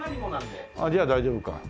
じゃあ大丈夫か。